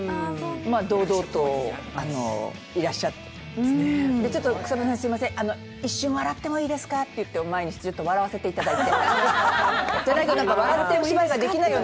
堂々といらっしゃって、ちょっと草笛さん、すみません、「一瞬笑ってもいいですか」って言って笑わせていただいて。